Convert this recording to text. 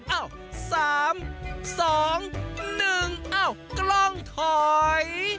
เอ้าสามสองหนึ่งเอ้ากล้องถอย